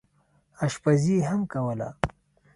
اشپزي هم کوله.